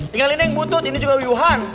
tinggal ini yang butut ini juga wuyuhan